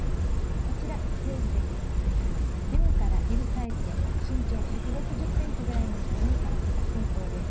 ＭＬサイズで身長１６０ｃｍぐらいの人に合わせた寸法です。